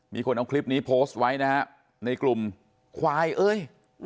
มีคนเอาคลิปนี้โพสต์ไว้นะฮะในกลุ่มควายเอ้ย